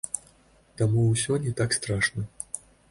Таму ўсё не так страшна.